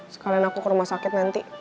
sekalian aku ke rumah sakit nanti